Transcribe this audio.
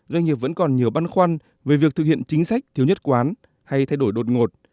doanh nghiệp vẫn còn nhiều băn khoăn về việc thực hiện chính sách thiếu nhất quán hay thay đổi đột ngột